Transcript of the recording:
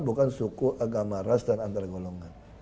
bukan suku agama ras dan antar golongan